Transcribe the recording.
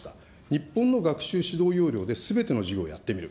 日本の学習指導要領ですべての授業をやってみる。